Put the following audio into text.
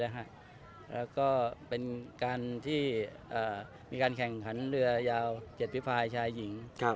แล้วก็เป็นการที่มีการแข่งขันเรือยาว๗ฝีไฟล์ชายหญิง